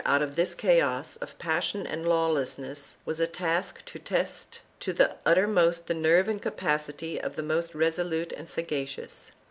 I] DISPUTED SUCCESSION 19 of this chaos of passion and lawlessness was a task to test to the uttermost the nerve and capacity of the most resolute and sagacious.